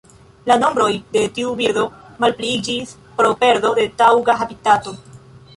La nombroj de tiu birdo malpliiĝis pro perdo de taŭga habitato.